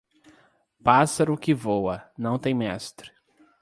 Pássaro que voa, não tem mestre.